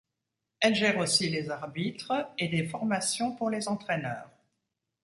Elle gère aussi les arbitres et des formations pour les entraîneurs.